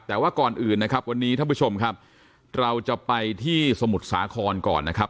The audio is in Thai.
แต่ว่าก่อนอื่นนะครับวันนี้ท่านผู้ชมครับเราจะไปที่สมุทรสาครก่อนนะครับ